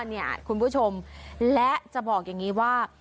คุณผู้ชมและจะบอกอย่างนี้ว่า